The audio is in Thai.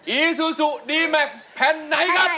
อีซูซูดีแม็กซ์แผ่นไหนครับ